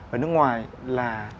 ở nước ngoài là